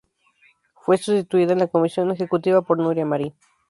Fue sustituida en la Comisión Ejecutiva por Núria Marín.